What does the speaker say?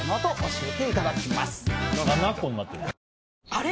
あれ？